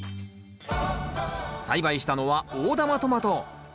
栽培したのは大玉トマト。